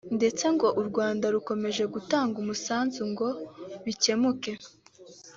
ndetse ngo u Rwanda rukomeje gutanga umusanzu ngo bikemuke